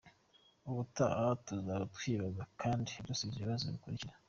Ubutaha tuzaba twibaza kandi dusubiza ibibazo bikurikira: .